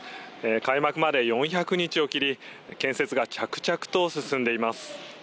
開幕まで４００日を切り建設が着々と進んでいます。